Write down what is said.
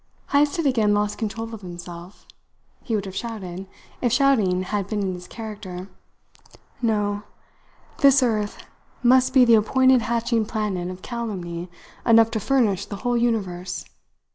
Heyst had again lost control of himself. He would have shouted, if shouting had been in his character. "No, this earth must be the appointed hatching planet of calumny enough to furnish the whole universe.